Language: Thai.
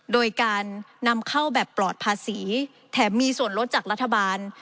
โดยการนำเข้าแบบปลอดภาษีแถมมีส่วนลดจากรัฐบาล